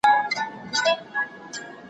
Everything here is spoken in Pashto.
یو ناڅاپه پر یو سیوري برابر سو